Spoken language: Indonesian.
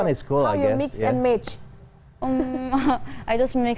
bagaimana anda menggabungkan dan mencampurkan